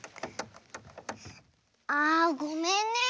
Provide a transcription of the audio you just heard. あごめんね。